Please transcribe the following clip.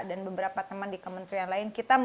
dan beberapa teman di kementerian lain kita